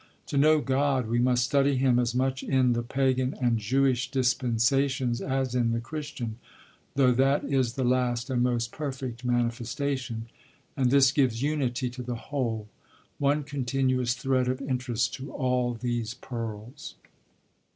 To know God we must study Him as much in the Pagan and Jewish dispensations as in the Christian (though that is the last and most perfect manifestation), and this gives unity to the whole one continuous thread of interest to all these pearls."